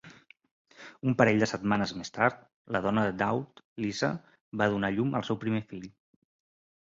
Un parell de setmanes més tard, la dona de Dowd, Lisa, va donar llum al seu primer fill.